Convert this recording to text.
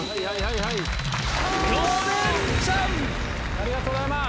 ありがとうございます。